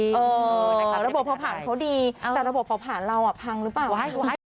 ระบบประผลเขาดีแต่ระบบประผลเราอ่ะพังหรือเปล่า